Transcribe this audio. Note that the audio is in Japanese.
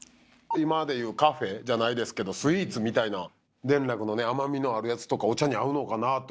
今でいうカフェじゃないですけどスイーツみたいな田楽のね甘みのあるやつとかお茶に合うのかなと。